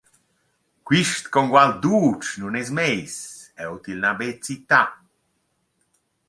Quist congual dutsch nun es meis, eu til n’ha be cità.